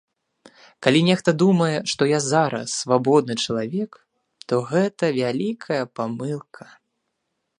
Калі нехта думае, што я зараз свабодны чалавек, то гэта вялікая памылка.